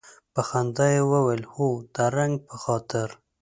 په خندا یې وویل هو د رنګ په خاطر.